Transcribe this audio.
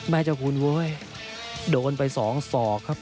แม่เจ้าคุณเว้ยโดนไปสองศอกครับ